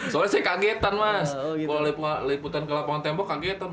soalnya saya kagetan mas kalau liputan ke lapangan tembok kagetan